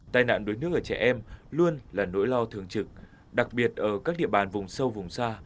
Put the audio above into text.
tai nạn đuối nước ở trẻ em luôn là nỗi lo thường trực đặc biệt ở các địa bàn vùng sâu vùng xa